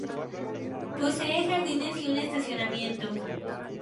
Posee jardines y un estacionamiento.